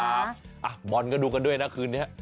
บอลก็ดูกันด้วยนะคืนนี้